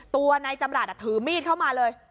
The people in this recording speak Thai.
ตัวนายจำรัฐถือมีดเข้ามาเลย